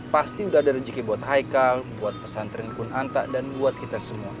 pasti udah ada rezeki buat haikal buat pesantren kun anta dan buat kita semua